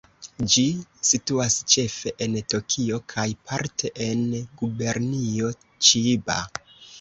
Ĝi situas ĉefe en Tokio kaj parte en Gubernio Ĉiba.